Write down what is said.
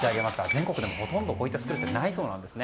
全国でもほとんどこういったスクールはないそうです